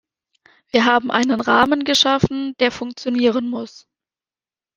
Wir haben einen Rahmen geschaffen, der funktionieren muss.